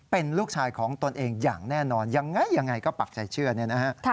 เป็นลูกชายของตนเองอย่างแน่นอนยังไงก็ปรักใจเชื่อนะครับ